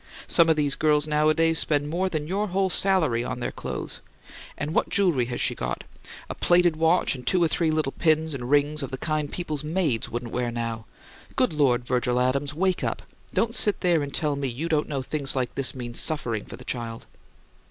Some of these girls nowadays spend more than your whole salary on their clothes. And what jewellery has she got? A plated watch and two or three little pins and rings of the kind people's maids wouldn't wear now. Good Lord, Virgil Adams, wake up! Don't sit there and tell me you don't know things like this mean SUFFERING for the child!"